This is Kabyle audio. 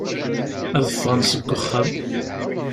Ad ffɣen seg uxxam.